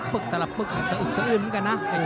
เผ่าฝั่งโขงหมดยก๒